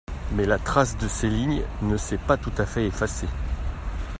Mais la trace de ces lignes ne s'est pas tout à fait effacée.